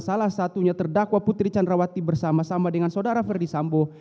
salah satunya terdakwa putri candrawati bersama sama dengan saudara ferdi sambo